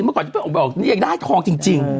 เมื่อก่อนจะไปออกนี่ยังได้ทองจริง